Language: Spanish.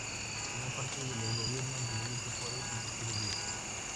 Formó parte de los gobiernos de Benito Juárez y Porfirio Díaz.